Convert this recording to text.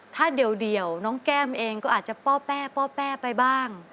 ถ้าเดี๋ยวน้องแก้มเองก็อาจจะป้อแป้ป้อแป้ไปบ้าง